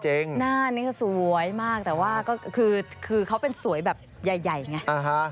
หน้านี้ก็สวยมากแต่ว่าก็คือเขาเป็นสวยแบบใหญ่ไง